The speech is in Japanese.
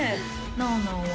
なおなおは？